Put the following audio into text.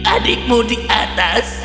adikmu di atas